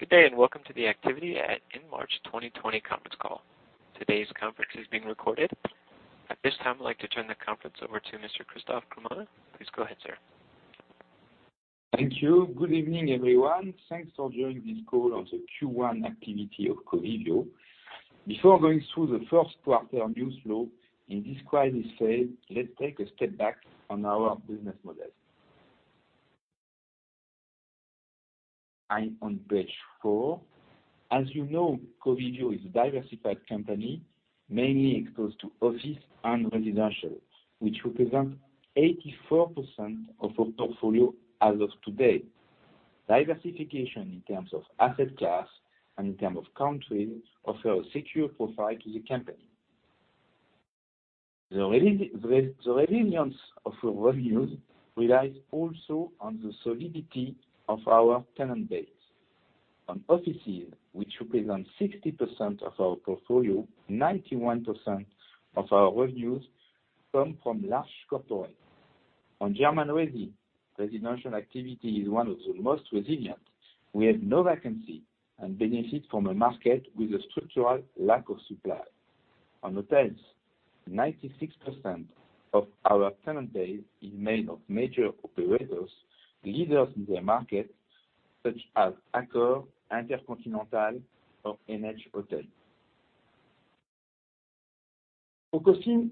Good day, and welcome to the activity in March 2020 conference call. Today's conference is being recorded. At this time, I'd like to turn the conference over to Mr. Christophe Kullmann. Please go ahead, sir. Thank you. Good evening, everyone. Thanks for joining this call on the Q1 activity of Covivio. Before going through the first quarter news flow in this crisis phase, let's take a step back on our business model. I'm on page four. As you know, Covivio is a diversified company, mainly exposed to office and residential, which represent 84% of our portfolio as of today. Diversification in terms of asset class and in terms of country offers a secure profile to the company. The resilience of our revenues relies also on the solidity of our tenant base. On offices, which represent 60% of our portfolio, 91% of our revenues come from large corporates. On German resi, residential activity is one of the most resilient. We have no vacancy and benefit from a market with a structural lack of supply. On hotels, 96% of our tenant base is made of major operators, leaders in their market, such as Accor, InterContinental, or NH Hotel. Focusing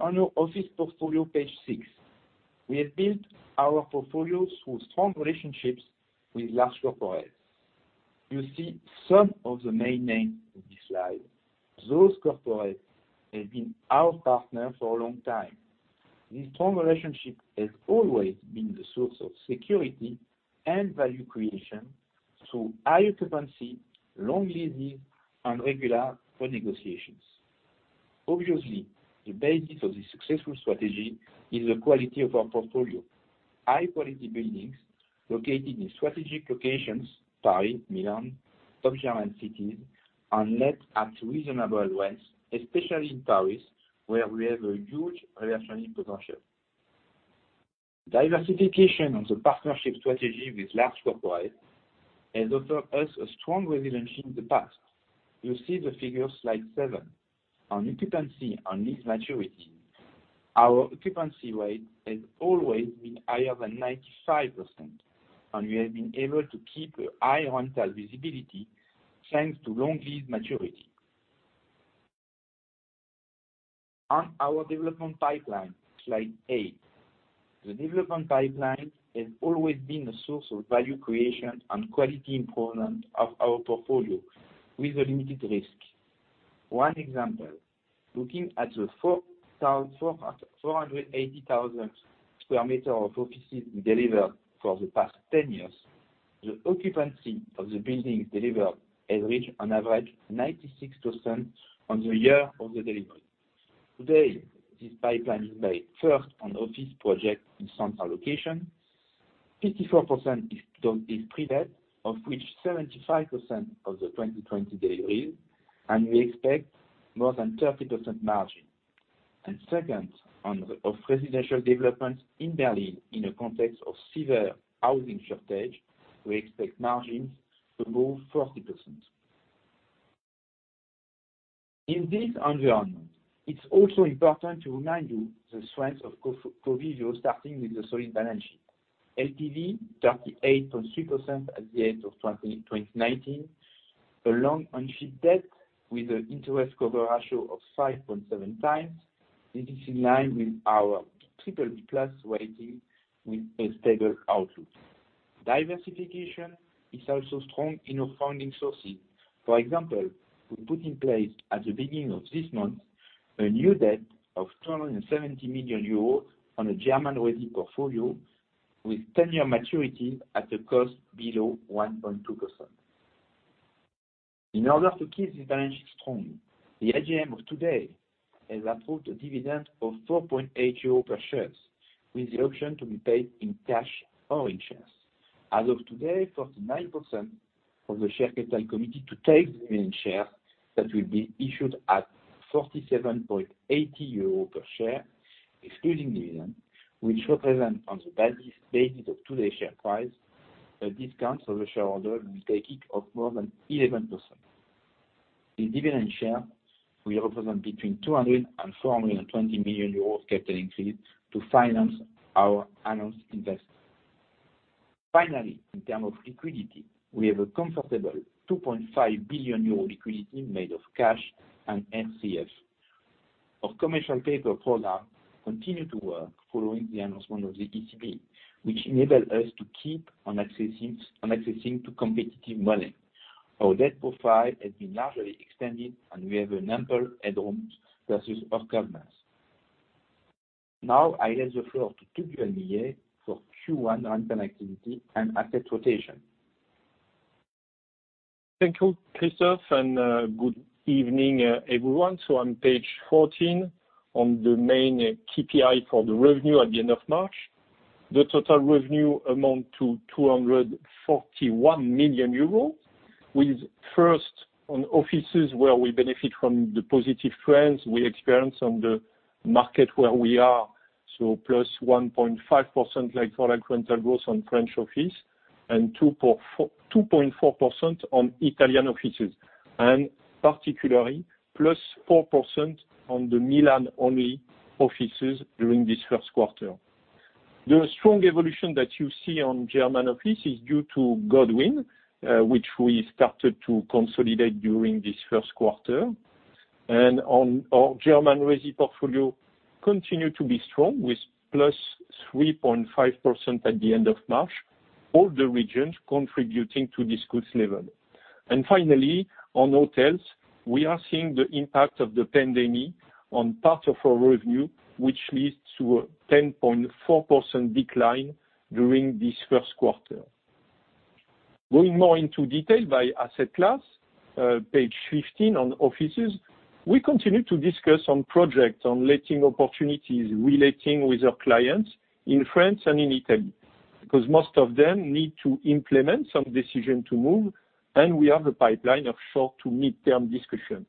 on our office portfolio, page six. We have built our portfolio through strong relationships with large corporates. You see some of the main names on this slide. Those corporates have been our partner for a long time. This strong relationship has always been the source of security and value creation through high occupancy, long leases, and regular renegotiations. Obviously, the basis of this successful strategy is the quality of our portfolio. High-quality buildings located in strategic locations, Paris, Milan, top German cities, are let at reasonable rents, especially in Paris, where we have a huge renovation potential. Diversification of the partnership strategy with large corporates has offered us a strong resiliency in the past. You see the figure, slide seven, on occupancy on lease maturity. Our occupancy rate has always been higher than 95%, and we have been able to keep a high rental visibility, thanks to long lease maturity. On our development pipeline, slide eight. The development pipeline has always been a source of value creation and quality improvement of our portfolio with a limited risk. One example, looking at the 480,000 sq m of offices we delivered for the past 10 years, the occupancy of the buildings delivered has reached on average 96% on the year of the delivery. Today, this pipeline is based first on office projects in central locations. 54% is pre-let, of which 75% of the 2020 deliveries, and we expect more than 30% margin. Second, of residential developments in Berlin in a context of severe housing shortage, we expect margins above 40%. In this environment, it is also important to remind you the strengths of Covivio, starting with the solid balance sheet. LTV 38.3% at the end of 2019. A long-term debt with an interest cover ratio of 5.7 times. This is in line with our triple B plus rating with a stable outlook. Diversification is also strong in our funding sources. For example, we put in place at the beginning of this month a new debt of 270 million euros on a German resi portfolio with 10-year maturity at a cost below 1.2%. In order to keep this balance sheet strong, the AGM of today has approved a dividend of 4.8 euro per share, with the option to be paid in cash or in shares. As of today, 49% of the share capital committed to take the dividend share that will be issued at 47.80 euro per share, excluding dividend, which represent on the basis of today's share price, a discount for the shareholder will be taking of more than 11%. In dividend shares, we represent between 200 and 420 million euros capital increase to finance our announced investment. Finally, in terms of liquidity, we have a comfortable 2.5 billion euro liquidity made of cash and FCF. Our commercial paper program continue to work following the announcement of the ECB, which enabled us to keep on accessing to competitive money. Our debt profile has been largely extended, and we have ample headroom versus our covenants. Now, I give the floor to Tugdual Millet for Q1 rental activity and asset rotation. Thank you, Christophe, and good evening, everyone. On page 14, on the main KPI for the revenue at the end of March. The total revenue amount to 241 million euros, with first on offices where we benefit from the positive trends we experience on the market where we are plus 1.5% like-for-like rental growth on French office and 2.4% on Italian offices, and particularly plus 4% on the Milan-only offices during this first quarter. The strong evolution that you see on German office is due to Godewind, which we started to consolidate during this first quarter. Our German resi portfolio continue to be strong with plus 3.5% at the end of March. All the regions contributing to this good level. Finally, on hotels, we are seeing the impact of the pandemic on part of our revenue, which leads to a 10.4% decline during this first quarter. Going more into detail by asset class, page 15 on offices. We continue to discuss on projects, on letting opportunities, relating with our clients in France and in Italy, because most of them need to implement some decision to move, and we have a pipeline of short to midterm discussion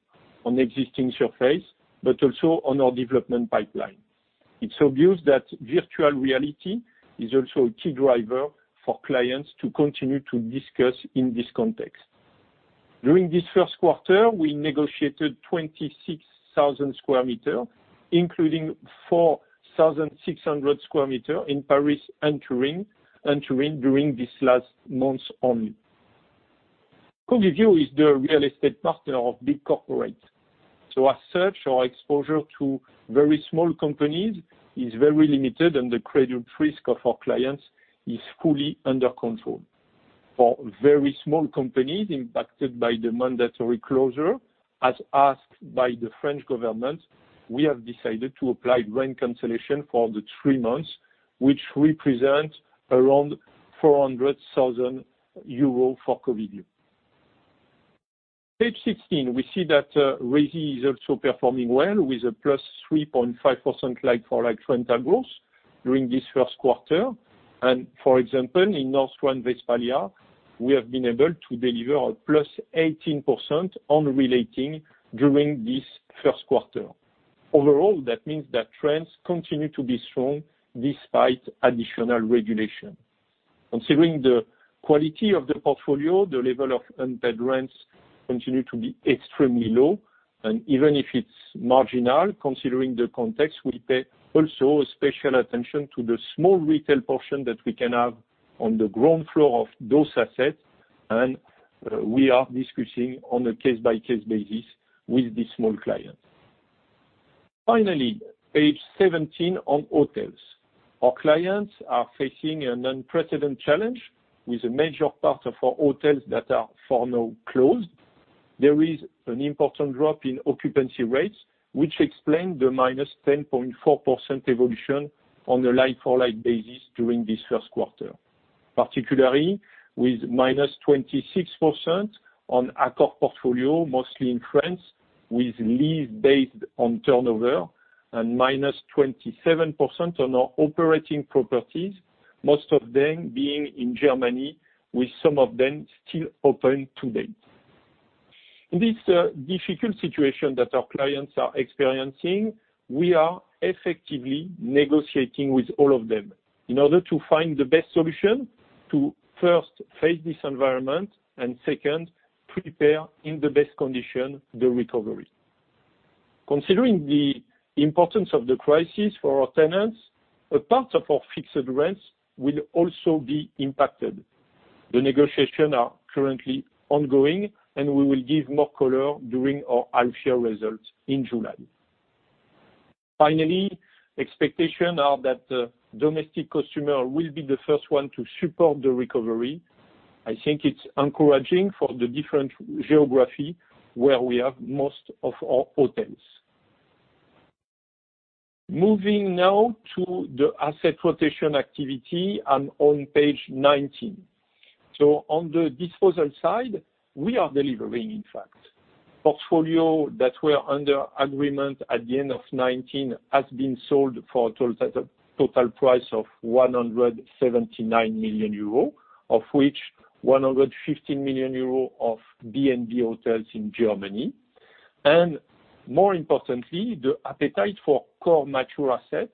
on existing surface, but also on our development pipeline. It is obvious that virtual reality is also a key driver for clients to continue to discuss in this context. During this first quarter, we negotiated 26,000 sq m, including 4,600 sq m in Paris and Turin during these last months only. Covivio is the real estate partner of big corporate. As such, our exposure to very small companies is very limited, and the credit risk of our clients is fully under control. For very small companies impacted by the mandatory closure, as asked by the French government, we have decided to apply rent cancellation for the three months, which represent around 400,000 euros for Covivio. Page 16, we see that resi is also performing well with a +3.5% like-for-like rental growth during this first quarter. For example, in North Rhine-Westphalia, we have been able to deliver a +18% on relating during this first quarter. Overall, that means that trends continue to be strong despite additional regulation. Considering the quality of the portfolio, the level of unpaid rents continue to be extremely low, and even if it's marginal, considering the context, we pay also special attention to the small retail portion that we can have on the ground floor of those assets, and we are discussing on a case-by-case basis with the small clients. Finally, page 17 on hotels. Our clients are facing an unprecedented challenge with a major part of our hotels that are, for now, closed. There is an important drop in occupancy rates, which explain the -10.4% evolution on a like-for-like basis during this first quarter, particularly with -26% on Accor portfolio, mostly in France, with lease based on turnover and -27% on our operating properties, most of them being in Germany, with some of them still open today. In this difficult situation that our clients are experiencing, we are effectively negotiating with all of them in order to find the best solution to first face this environment, and second, prepare in the best condition the recovery. Considering the importance of the crisis for our tenants, a part of our fixed rents will also be impacted. The negotiation are currently ongoing, and we will give more color during our half-year results in July. Finally, expectation are that domestic consumer will be the first one to support the recovery. I think it's encouraging for the different geography where we have most of our hotels. Moving now to the asset rotation activity and on page 19. On the disposal side, we are delivering, in fact. Portfolio that were under agreement at the end of 2019 has been sold for total price of 179 million euros, of which 115 million euros of B&B Hotels in Germany. More importantly, the appetite for core mature assets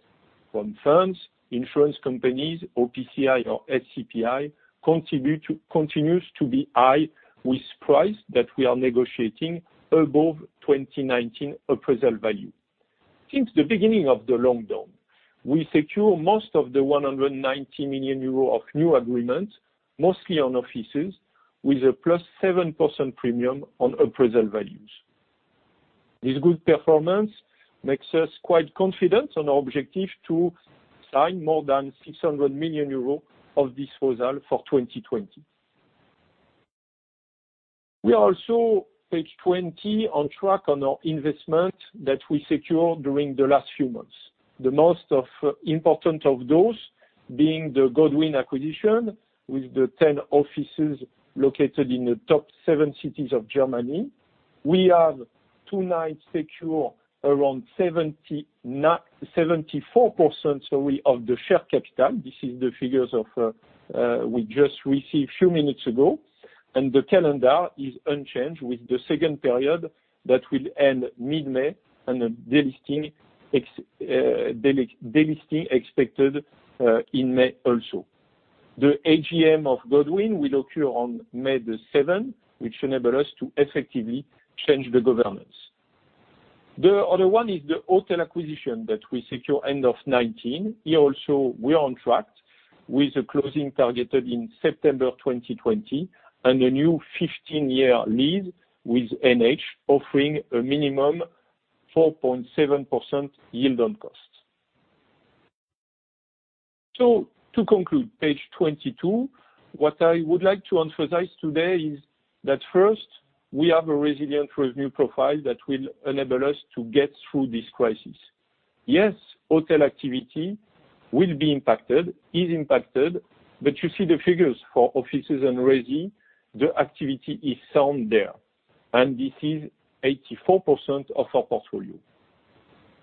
from firms, insurance companies, OPCI or SCPI continues to be high with price that we are negotiating above 2019 appraisal value. Since the beginning of the lockdown, we secure most of the 190 million euro of new agreement, mostly on offices, with a +7% premium on appraisal values. This good performance makes us quite confident on our objective to sign more than 600 million euros of disposal for 2020. We are also, page 20, on track on our investment that we secure during the last few months. The most of important of those being the Godewind acquisition with the 10 offices located in the top seven cities of Germany. We have tonight secure around 74% of the share capital. This is the figures we just received few minutes ago. The calendar is unchanged with the second period that will end mid-May, and the delisting expected in May also. The AGM of Godewind will occur on May 7th, which enable us to effectively change the governance. The other one is the hotel acquisition that we secure end of 2019. Here also, we are on track with the closing targeted in September 2020, and a new 15-year lease with NH offering a minimum 4.7% yield on cost. To conclude, page 22. What I would like to emphasize today is that first, we have a resilient revenue profile that will enable us to get through this crisis. Yes, hotel activity will be impacted, is impacted, but you see the figures for offices and resi, the activity is sound there, and this is 84% of our portfolio.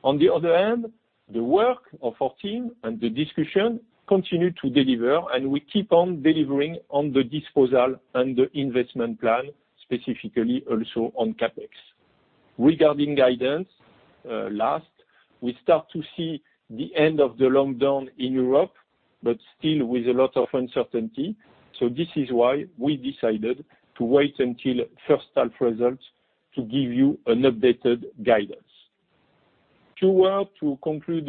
On the other hand, the work of our team and the discussion continue to deliver, and we keep on delivering on the disposal and the investment plan, specifically also on CapEx. Regarding guidance, last, we start to see the end of the lockdown in Europe, but still with a lot of uncertainty. This is why we decided to wait until first half results to give you an updated guidance. Two words to conclude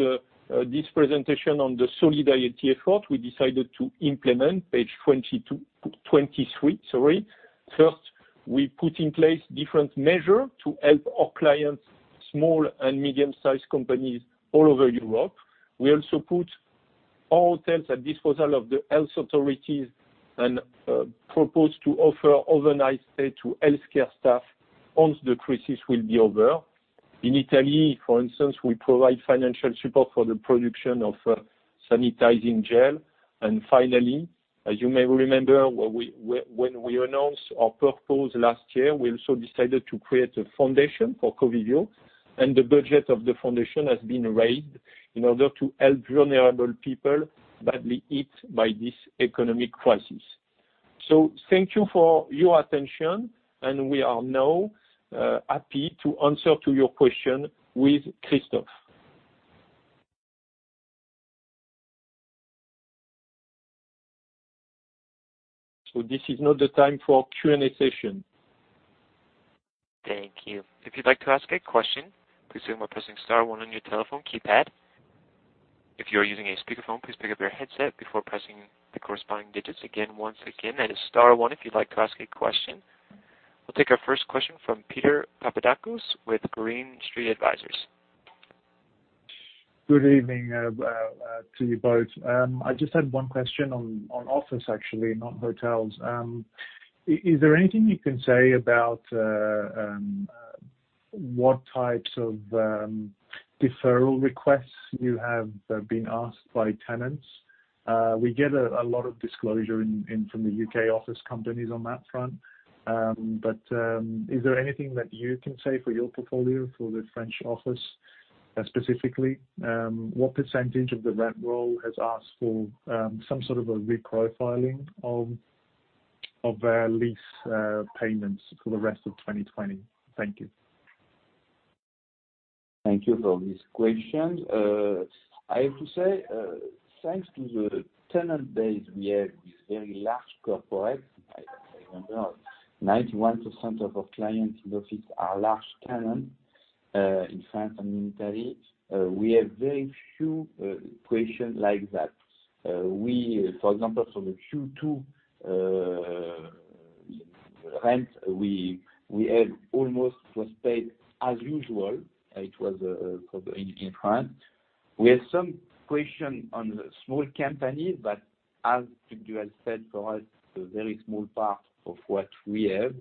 this presentation on the solidarity effort we decided to implement, page 23. First, we put in place different measure to help our clients, small and medium-sized companies all over Europe. We also put our hotels at disposal of the health authorities and propose to offer overnight stay to healthcare staff once the crisis will be over. In Italy, for instance, we provide financial support for the production of sanitizing gel. Finally, as you may remember, when we announced our purpose last year, we also decided to create a foundation for Covivio, and the budget of the foundation has been raised in order to help vulnerable people badly hit by this economic crisis. Thank you for your attention, and we are now happy to answer to your question with Christophe. This is now the time for Q&A session. Thank you. If you'd like to ask a question, please go by pressing star one on your telephone keypad. If you're using a speakerphone, please pick up your headset before pressing the corresponding digits. Again, once again, that is star one if you'd like to ask a question. We'll take our first question from Peter Papadakos with Green Street Advisors. Good evening to you both. I just had one question on office, actually, not hotels. Is there anything you can say about what types of deferral requests you have been asked by tenants? We get a lot of disclosure from the U.K. office companies on that front. Is there anything that you can say for your portfolio for the French office specifically? What % of the rent roll has asked for some sort of a reprofiling of their lease payments for the rest of 2020? Thank you. Thank you for this question. I have to say, thanks to the tenant base we have with very large corporate, I remember 91% of our clients in the office are large tenant, in France and in Italy. We have very few questions like that. For example, for the Q2 rent, we had almost was paid as usual. It was probably in France. We have some question on the small companies, but as you have said, for us, it's a very small part of what we have,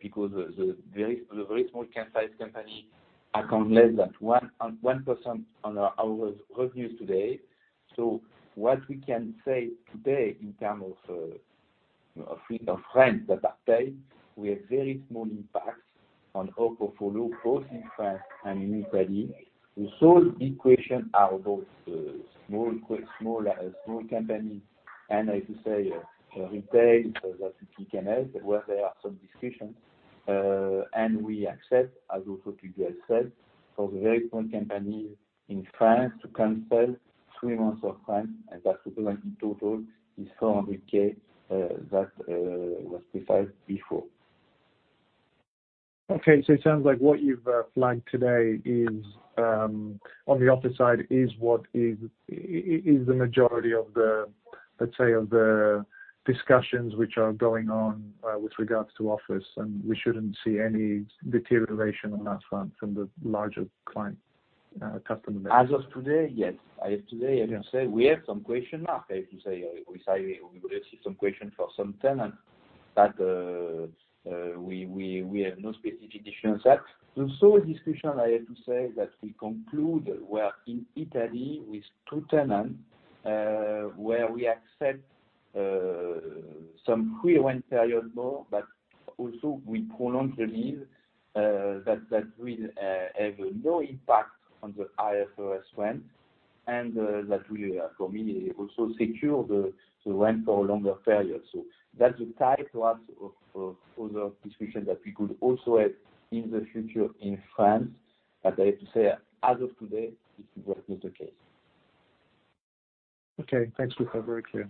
because the very small cap size company account less than 1% on our revenues today. What we can say today in terms of rent that are paid, we have very small impact on our portfolio, both in France and in Italy. We saw the question about small company, and I have to say, retail, that you can ask where there are some discussions, and we accept, as also Hugues has said, for the very small companies in France to cancel three months of rent, and that equivalent in total is 400 thousand, that was precise before. It sounds like what you've flagged today is, on the office side is the majority of the, let's say, of the discussions which are going on with regards to office, and we shouldn't see any deterioration on that front from the larger customer base. As of today, yes. As today, I can say we have some question mark. I have to say, we receive some question for some tenant, but we have no specific issue on that. We saw a discussion, I have to say, that we conclude where in Italy with two tenant, where we accept some free rent period more, but also we prolong the lease, that will have no impact on the IFRS rent. That will, for me, also secure the rent for a longer period. That's the type perhaps of other discussions that we could also have in the future in France. I have to say, as of today, it was not the case. Okay. Thanks, for the color very clear.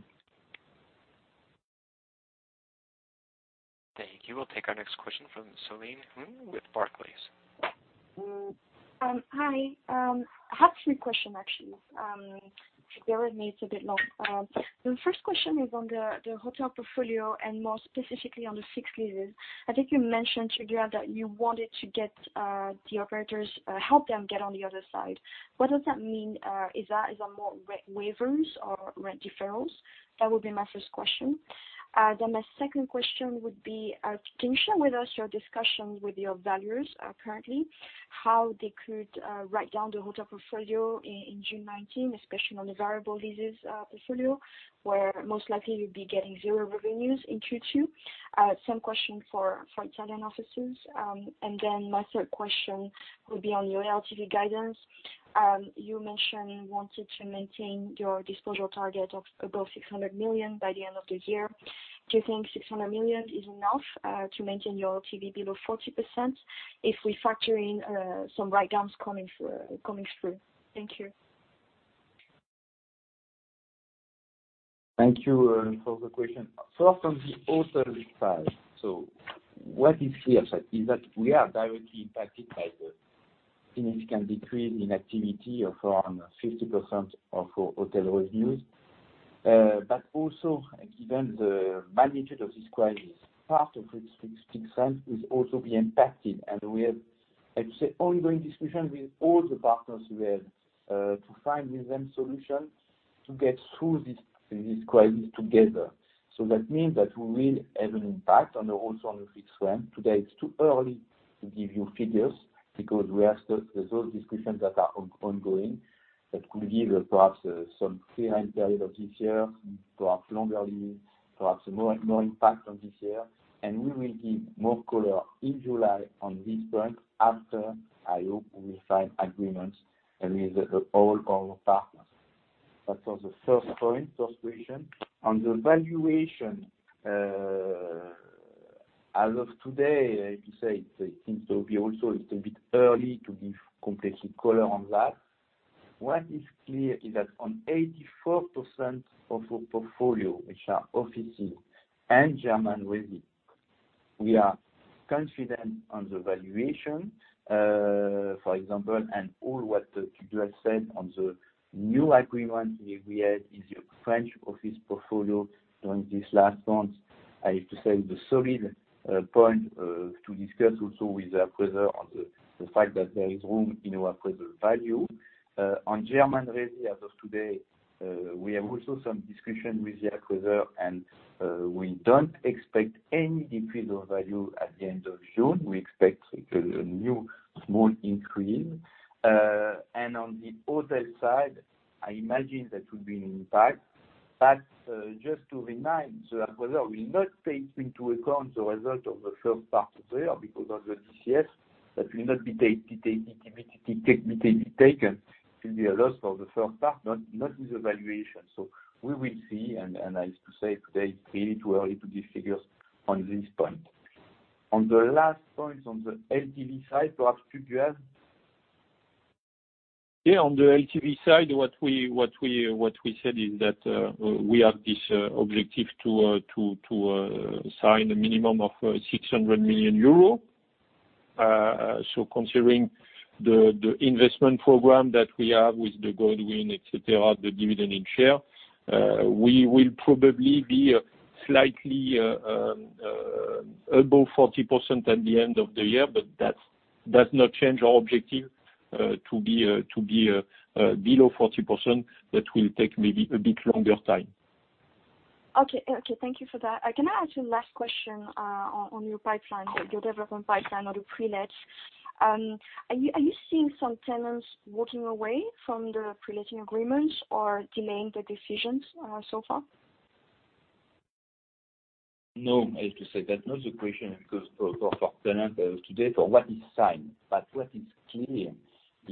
Thank you. We'll take our next question from Celine Huynh with Barclays. Hi. I have three question, actually. Bear with me, it's a bit long. The first question is on the hotel portfolio, and more specifically on the fixed leases. I think you mentioned, Tugdual, that you wanted to get the operators, help them get on the other side. What does that mean? Is that more rent waivers or rent deferrals? That would be my first question. My second question would be, can you share with us your discussions with your valuers currently, how they could write down the hotel portfolio in June 2019, especially on the variable leases portfolio, where most likely you'll be getting zero revenues in Q2? Same question for Italian offices. My third question would be on your LTV guidance. You mentioned you wanted to maintain your disposal target of above 600 million by the end of the year. Do you think 600 million is enough to maintain your LTV below 40% if we factor in some write-downs coming through? Thank you. Thank you for the question. First, on the hotel side. What is clear is that we are directly impacted by the significant decrease in activity of around 50% of our hotel revenues. Given the magnitude of this crisis, part of the fixed rent will also be impacted, and we have, I would say, ongoing discussions with all the partners we have, to find with them solutions to get through this crisis together. That means that we will have an impact on also on the fixed rent. Today, it's too early to give you figures, because we are still There's those discussions that are ongoing, that could give perhaps some clear end period of this year, perhaps longer leases, perhaps more impact on this year. We will give more color in July on this point after, I hope, we will find agreements with all our partners. That was the first point, first question. On the valuation, as of today, I have to say, it seems to be also it's a bit early to give complexity color on that. What is clear is that on 84% of our portfolio, which are offices and German resi, we are confident on the valuation. For example, and all what Tugdual said on the new agreement we had with the French office portfolio during this last month. I have to say the solid point to discuss also with appraiser on the fact that there is room in our appraiser value. On German resi as of today, we have also some discussion with the appraiser, and we don't expect any decrease of value at the end of June. We expect a new small increase. On the hotel side, I imagine that would be an impact. Just to remind, the appraiser will not take into account the result of the first part of the year because of the DCF. That will not be taken. It will be a loss for the first part, not with the valuation. We will see, and I have to say, today it's really too early to give figures on this point. On the last point, on the LTV side, perhaps Tugdual? On the LTV side, what we said is that we have this objective to sign a minimum of 600 million euro. Considering the investment program that we have with Godewind, et cetera, the dividend in share, we will probably be slightly above 40% at the end of the year, but that does not change our objective to be below 40%. That will take maybe a bit longer time. Okay. Thank you for that. Can I ask you a last question on your pipeline, your development pipeline or the pre-lets. Are you seeing some tenants walking away from the pre-letting agreements or delaying their decisions so far? No, I have to say that. Not the question, because for tenant today, for what is signed. What is clear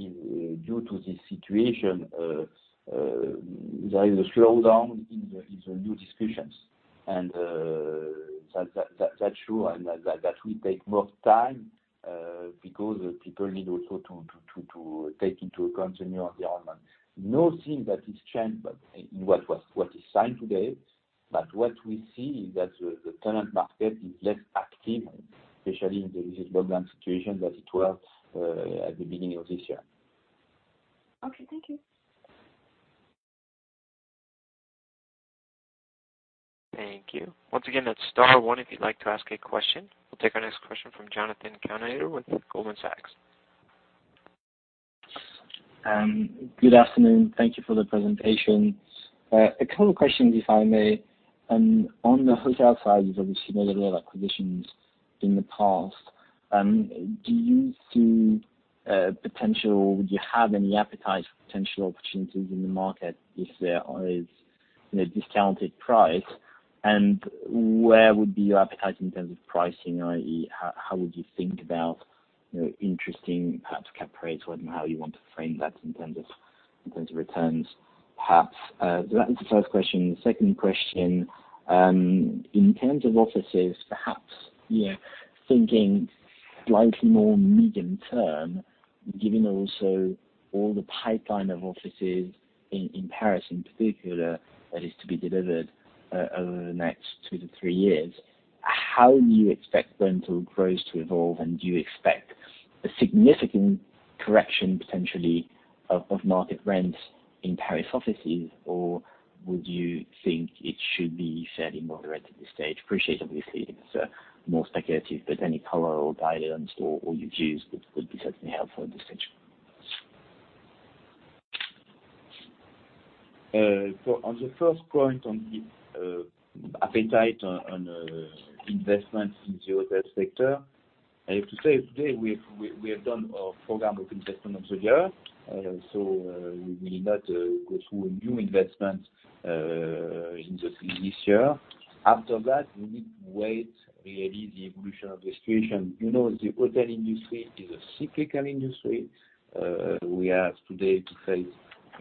is due to this situation, there is a slowdown in the new discussions. That is true, and that will take more time, because people need also to take into account the new environment. Nothing that is changed in what is signed today. What we see is that the tenant market is less active, especially in the recent program situation, than it was at the beginning of this year. Okay. Thank you. Thank you. Once again, that's star one if you'd like to ask a question. We'll take our next question from Jonathan Kownator with Goldman Sachs. Good afternoon. Thank you for the presentation. A couple of questions, if I may. On the hotel side, you've obviously made a lot of acquisitions in the past. Do you see potential, would you have any appetite for potential opportunities in the market if there is a discounted price? Where would be your appetite in terms of pricing, i.e., how would you think about interesting perhaps cap rates? I don't know how you want to frame that in terms of returns, perhaps. That is the first question. The second question, in terms of offices, perhaps, thinking slightly more medium term, given also all the pipeline of offices in Paris in particular, that is to be delivered over the next two to three years. How do you expect rental growth to evolve, do you expect a significant correction potentially of market rents in Paris offices, would you think it should be fairly moderate at this stage? Appreciate, obviously, if it's more speculative, any color or guidance or views would be certainly helpful at this stage. On the first point on the appetite on investments in the hotel sector, I have to say today, we have done our program of investments of the year. We will not go through a new investment in this initial. After that, we need to wait, really, the evolution of the situation. The hotel industry is a cyclical industry. We have today to face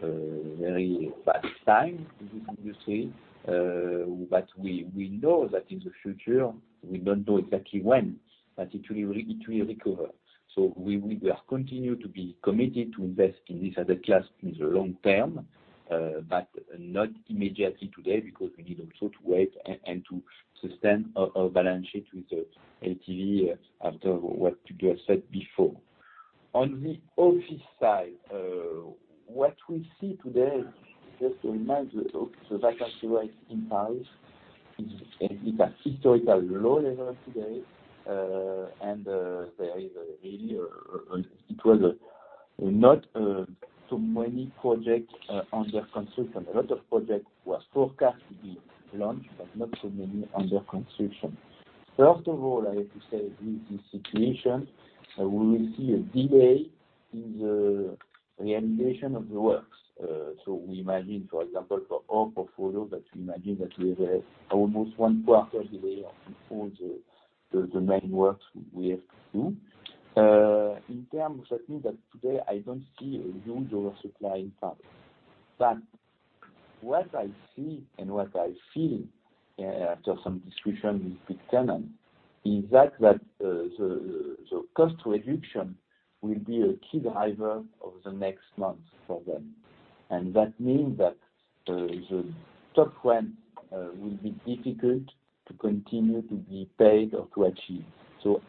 a very bad time in this industry. We know that in the future, we don't know exactly when, it will recover. We are continue to be committed to invest in this asset class in the long term, not immediately today, because we need also to wait and to sustain our balance sheet with the LTV after what you have said before. On the office side, what we see today, just to remind the vacancy rates in Paris is at historical low level today. There is really not too many projects under construction. A lot of projects were forecast to be launched, not so many under construction. First of all, I have to say with this situation, we will see a delay in the realization of the works. We imagine, for example, for our portfolio, that we imagine that we have almost one quarter delay on all the main works we have to do. That means that today I don't see a huge oversupply in Paris. What I see and what I feel after some discussion with big tenant is that the cost reduction will be a key driver of the next months for them. That means that the top rent will be difficult to continue to be paid or to achieve.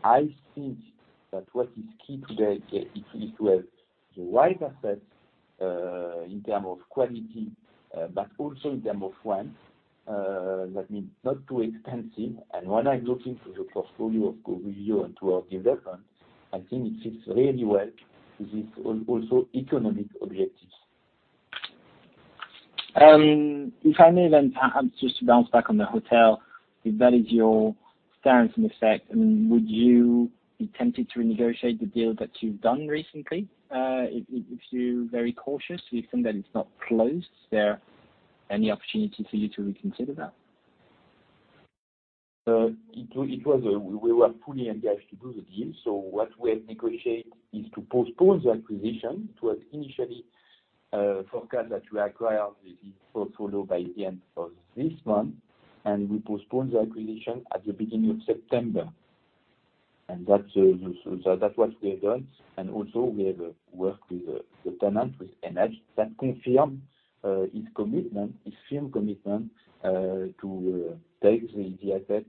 I think that what is key today is to have the right assets, in term of quality, but also in term of rent. That means not too expensive. When I am looking for the portfolio of Covivio and to our development, I think it fits really well with this also economic objectives. If I may, perhaps just to bounce back on the hotel, if that is your stance, in effect, would you be tempted to renegotiate the deal that you've done recently? If you're very cautious, you think that it's not closed, is there any opportunity for you to reconsider that? We were fully engaged to do the deal. What we have negotiated is to postpone the acquisition. It was initially forecast that we acquire this portfolio by the end of this month, we postpone the acquisition at the beginning of September. That's what we have done. We have worked with the tenant, with NH ZAC Clichy, his commitment to take the asset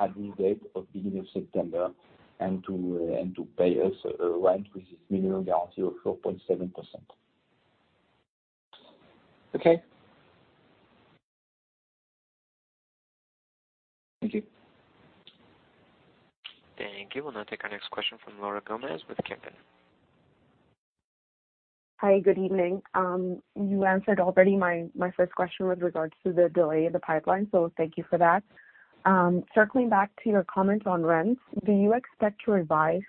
at this date of beginning of September, and to pay us a rent, which is minimum guarantee of 4.7%. Okay. Thank you. Thank you. We will now take our next question from Laura Gomez with Kempen. Hi, good evening. You answered already my first question with regards to the delay of the pipeline, so thank you for that. Circling back to your comment on rents, do you expect to revise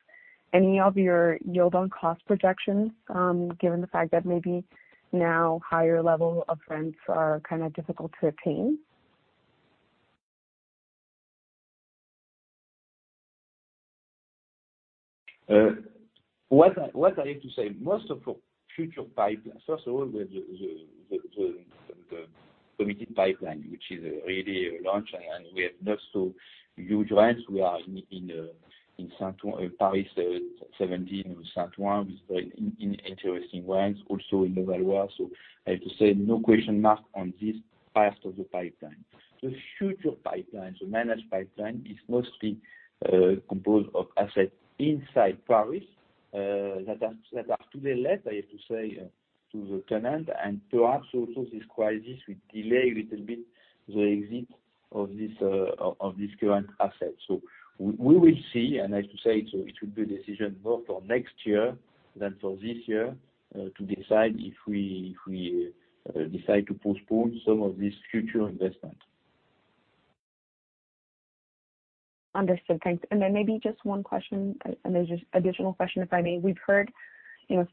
any of your yield on cost projections, given the fact that maybe now higher level of rents are kind of difficult to obtain? What I have to say, most of our future pipeline, first of all, the committed pipeline, which is really launched. We have not so huge rents. We are in Paris 17 in Saint Ouen, with very interesting rents, also in Levallois. I have to say, no question mark on this part of the pipeline. The future pipeline, so managed pipeline, is mostly composed of assets inside Paris. That are today let, I have to say, to the tenant, and perhaps also this crisis will delay a little bit the exit of this current asset. We will see, and I have to say, so it will be a decision more for next year than for this year, to decide if we decide to postpone some of this future investment. Understood. Thanks. Maybe just one question, an additional question, if I may. We've heard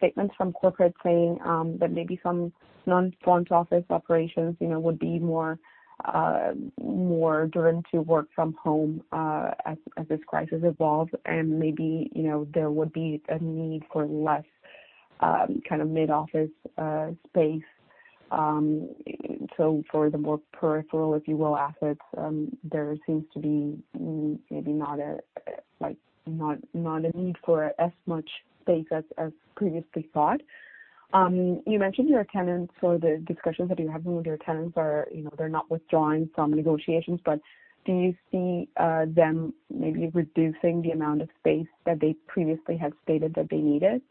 statements from corporate saying that maybe some non-front office operations would be more driven to work from home as this crisis evolves and maybe there would be a need for less mid-office space. For the more peripheral, if you will, assets, there seems to be maybe not a need for as much space as previously thought. You mentioned your tenants or the discussions that you're having with your tenants are, they're not withdrawing from negotiations, do you see them maybe reducing the amount of space that they previously had stated that they needed?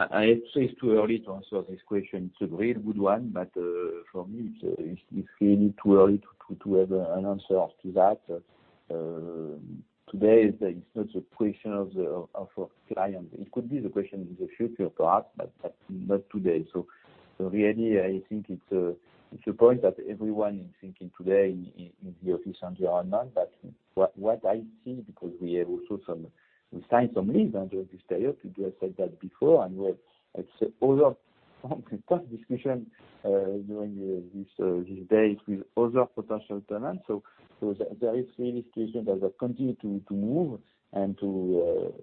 I'd say it's too early to answer this question. It's a really good one, for me, it's really too early to have an answer to that. Today, it's not a question of our clients. It could be the question in the future, perhaps, but not today. Really, I think it's a point that everyone is thinking today in the office and beyond that. What I see, because we have also signed some leases during this period, I said that before, we had, let's say, other discussions during these days with other potential tenants. There is really a situation that will continue to move and to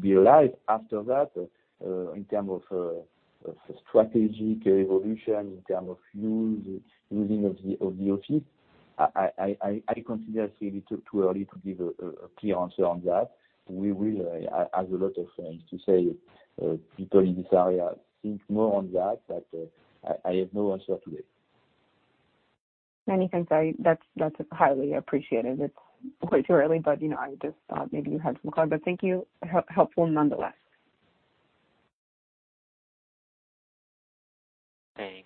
be alive after that, in terms of strategic evolution, in terms of using of the office. I consider it's really too early to give a clear answer on that. We will, as a lot of things to say, people in this area think more on that, I have no answer today. Many thanks. That's highly appreciated. It's way too early, I just thought maybe you had some clarity. Thank you. Helpful nonetheless.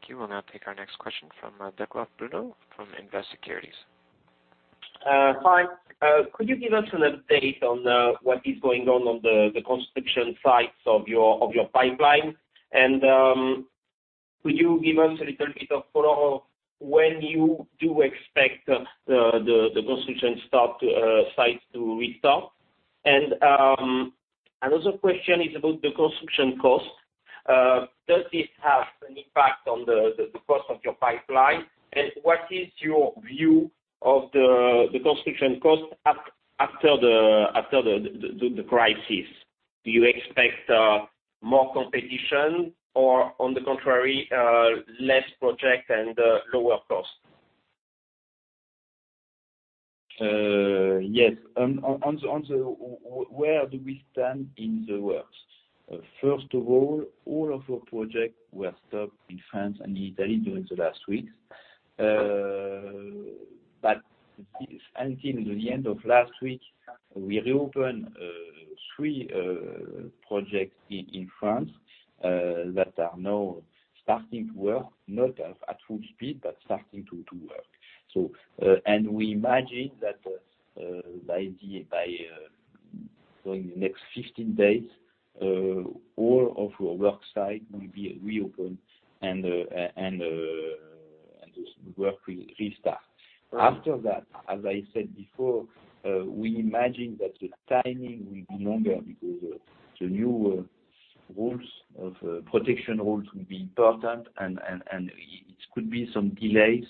Thank you. We'll now take our next question from Duclos, Bruno from Invest Securities. Hi. Could you give us an update on what is going on the construction sites of your pipeline? Could you give us a little bit of follow-up when you do expect the construction sites to restart? Another question is about the construction cost. Does this have an impact on the cost of your pipeline? What is your view of the construction cost after the crisis? Do you expect more competition or, on the contrary, less project and lower cost? Yes. On the where do we stand in the works. First of all of our projects were stopped in France and Italy during the last weeks. Until the end of last week, we reopened three projects in France that are now starting to work, not at full speed, but starting to work. We imagine that by going the next 15 days, all of our work site will be reopened, and the work will restart. After that, as I said before, we imagine that the timing will be longer because the new rules of protection rules will be important, and it could be some delays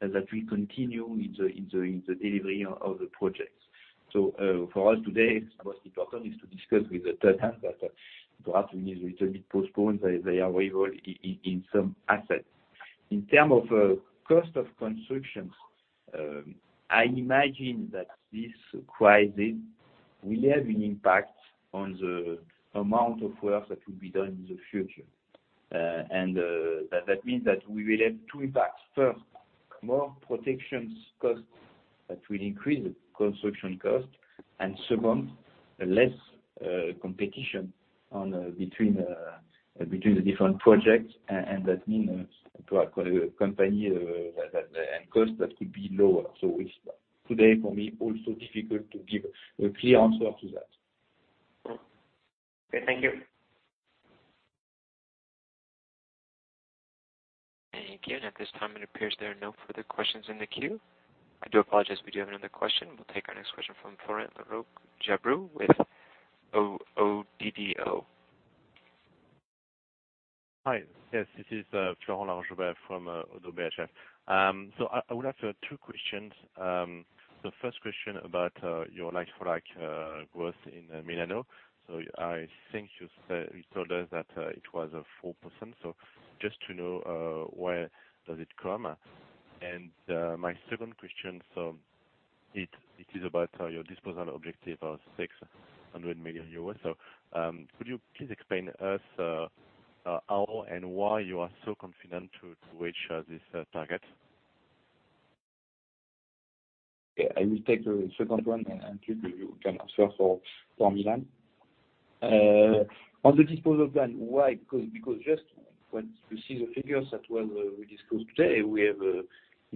that will continue in the delivery of the projects. For us today, the most important is to discuss with the tenant that perhaps we need to postpone their waiver in some assets. In terms of cost of construction, I imagine that this crisis will have an impact on the amount of work that will be done in the future. That means that we will have two impacts. First, more protections costs that will increase the construction cost, and second, less competition between the different projects, and that means to our company, and cost that could be lower. Today, for me, also difficult to give a clear answer to that. Okay, thank you. Thank you. At this time, it appears there are no further questions in the queue. I do apologize, we do have another question. We will take our next question from Florent Laroche-Joubert with ODDO. Hi. Yes, this is Florent Joubert from ODDO BHF. I would have two questions. The first question about your like-for-like growth in Milano. I think you told us that it was 4%. Just to know, where does it come? My second question, it is about your disposal objective of 600 million euros. Could you please explain us how and why you are so confident to reach this target? Okay, I will take the second one, you can answer for Milan. On the disposal plan, why? Because just when you see the figures that we discussed today, we have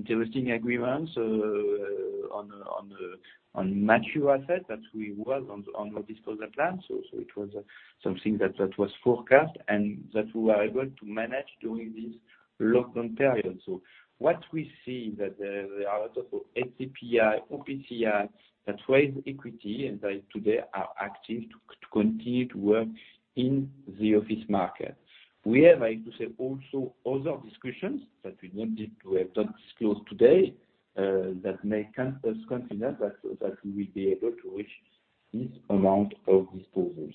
interesting agreements on mature assets that we were on our disposal plan. It was something that was forecast, and that we were able to manage during this lockdown period. What we see is that there are a lot of SCPI, OPCI, that raise equity, and that today are acting to continue to work in the office market. We have, I have to say also, other discussions that we wanted to have done disclosed today, that make us confident that we will be able to reach this amount of disposals.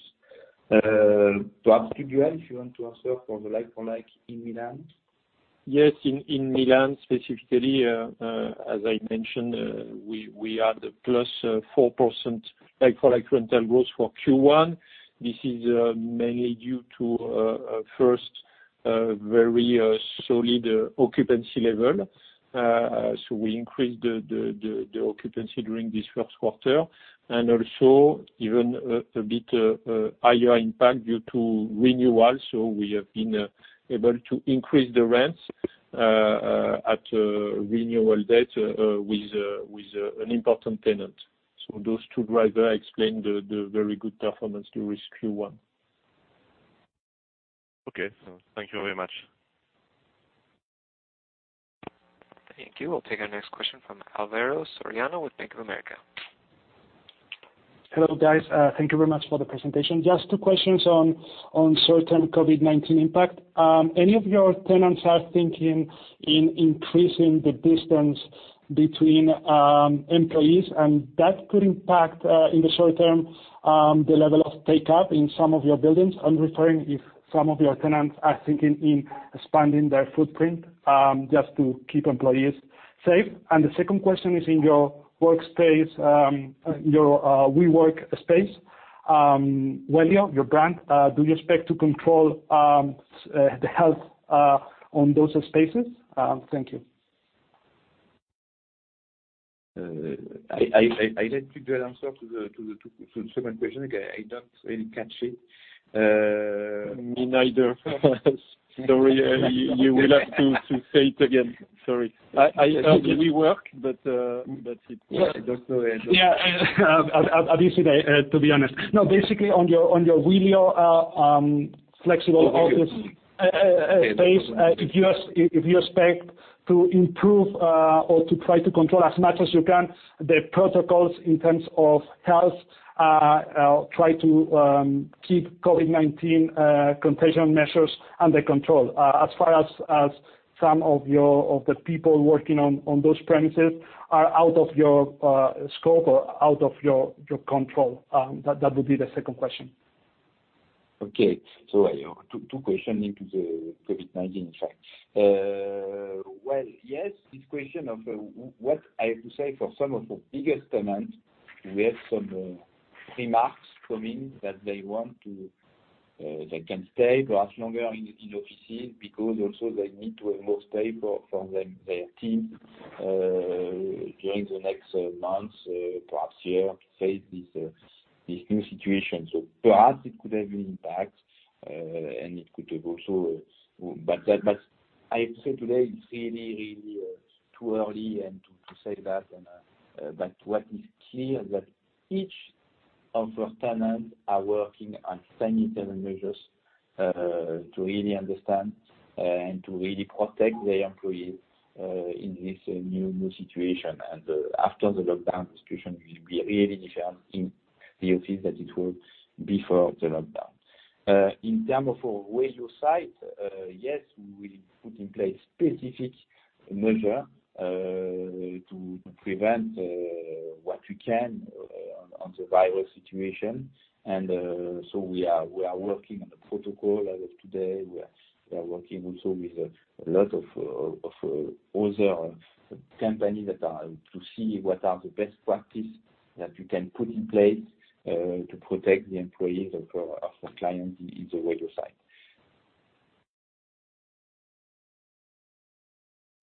Perhaps, Julien, if you want to answer for the like-for-like in Milan. Yes, in Milan, specifically, as I mentioned, we had +4% like-for-like rental growth for Q1. This is mainly due to, first, very solid occupancy level. We increased the occupancy during this first quarter, and also even a bit higher impact due to renewal. We have been able to increase the rents at renewal date with an important tenant. Those two drivers explain the very good performance during Q1. Okay. Thank you very much. Thank you. We'll take our next question from Alvaro Soriano with Bank of America. Hello, guys. Thank you very much for the presentation. Just two questions on short-term COVID-19 impact. Any of your tenants are thinking in increasing the distance between employees, and that could impact, in the short term, the level of take-up in some of your buildings? I'm referring if some of your tenants are thinking in expanding their footprint, just to keep employees safe. The second question is in your WeWork space, Wellio, your brand, do you expect to control the health on those spaces? Thank you. I didn't hear the answer to the second question. Okay, I don't really catch it. Me neither. Sorry, you will have to say it again. Sorry. I heard WeWork, but that's it. Yeah. I don't know. Yeah. Obviously, to be honest. No, basically on your Wellio flexible office space, if you expect to improve or to try to control as much as you can the protocols in terms of health, try to keep COVID-19 contagion measures under control. As far as some of the people working on those premises are out of your scope or out of your control? That would be the second question. Okay. Two question into the COVID-19 effect. Well, yes, this question of what I have to say for some of the biggest tenants, we have some remarks coming that they can stay perhaps longer in offices, because also they need to have more space for their team during the next months, perhaps year, to face this new situation. Perhaps it could have an impact. I have to say today it's really too early and to say that, but what is clear that each of our tenants are working on sanitary measures, to really understand and to really protect their employees, in this new situation. After the lockdown, the situation will be really different in the office than it was before the lockdown. In term of our Wellio site, yes, we will put in place specific measure to prevent what we can on the virus situation. We are working on the protocol as of today. We are working also with a lot of other companies to see what are the best practice that we can put in place to protect the employees of our client in the Wellio site.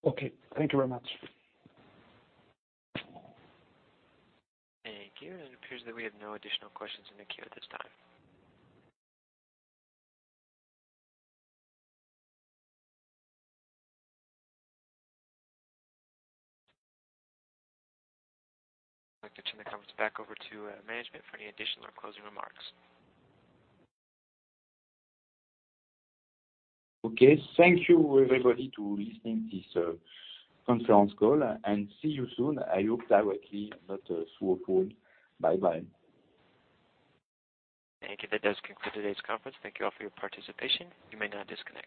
Okay. Thank you very much. Thank you. It appears that we have no additional questions in the queue at this time. I'd like to turn the conference back over to management for any additional or closing remarks. Okay. Thank you everybody to listening this conference call, and see you soon, I hope directly, not through a call. Bye-bye. Thank you. That does conclude today's conference. Thank you all for your participation. You may now disconnect.